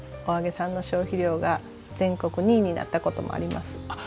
お揚げさんの消費量が全国２位になったこともあります。